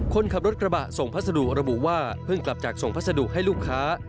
คนขับรถกระบะส่งพัสดุระบุว่าเพิ่งกลับจากส่งพัสดุให้ลูกค้า